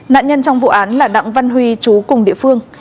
nạn nhân trong vụ án là đặng văn huy chú cùng địa phương